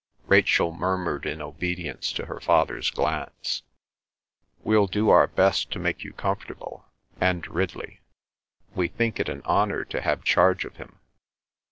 Rachel murmured in obedience to her father's glance. "We'll do our best to make you comfortable. And Ridley. We think it an honour to have charge of him.